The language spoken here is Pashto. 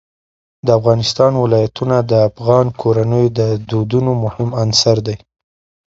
د افغانستان ولايتونه د افغان کورنیو د دودونو مهم عنصر دی.